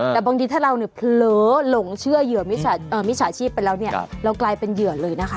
แต่บางทีถ้าเราเนี่ยเผลอหลงเชื่อเหยื่อมิจฉาชีพไปแล้วเนี่ยเรากลายเป็นเหยื่อเลยนะคะ